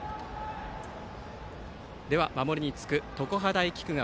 では、守りにつく常葉大菊川